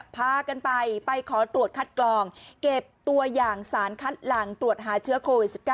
พากันไปไปขอตรวจคัดกรองเก็บตัวอย่างสารคัดหลังตรวจหาเชื้อโควิด๑๙